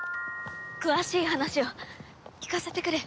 詳しい話を聞かせてくれ。